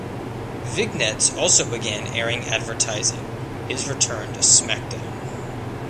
Vignettes also began airing advertising his return to "SmackDown!".